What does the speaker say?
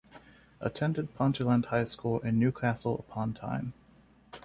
Attended Ponteland High School in Newcastle-upon-Tyne.